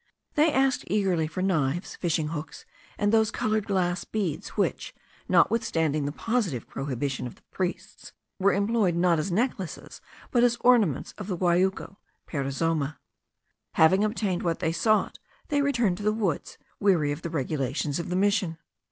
They asked eagerly for knives, fishing hooks, and those coloured glass beads, which, notwithstanding the positive prohibition of the priests, were employed not as necklaces, but as ornaments of the guayuco (perizoma). Having obtained what they sought, they returned to the woods, weary of the regulations of the mission.